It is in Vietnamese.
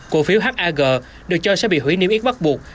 cổ phiếu hag được cho sẽ bị hủy niêm yết bắt buộc